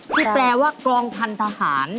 ที่แปลว่ากองพันธหาร